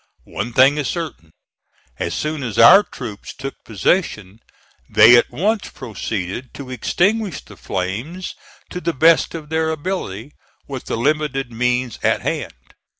One thing is certain: as soon as our troops took possession, they at once proceeded to extinguish the flames to the best of their ability with the limited means at hand.